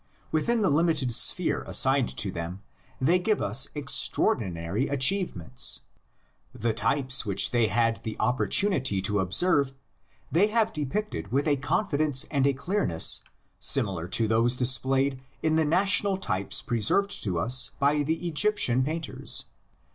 Within the lim ited sphere assigned to them they give us extraor dinary achievements. The types which they had the opportunity to observe they have depicted with a confidence and a clearness similar to those dis played in the national types preserved to us by the 56 THE LEGENDS OF GENESIS. Egyptian painters.